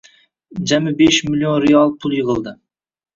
Jami besh million riyol pul yigʻildi.